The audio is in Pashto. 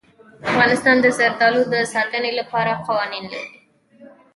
افغانستان د زردالو د ساتنې لپاره قوانین لري.